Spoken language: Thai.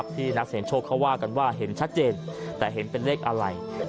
ที่นักเสียงโชคเขาว่ากันว่าเห็นชัดเจนแต่เห็นเป็นเลขอะไร